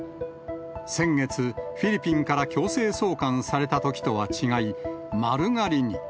先月、フィリピンから強制送還されたときとは違い、丸刈りに。